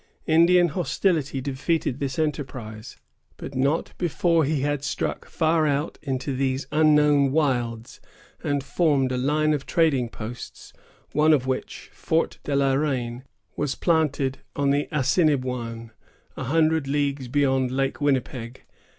Indian hostility defeated his enterprise, but not before he had struck far out into these unknown wilds, and formed a line of trading posts, one of which, Fort de la Reine, was planted on the Assinniboin, a hundred leagues beyond Lake Winnipeg.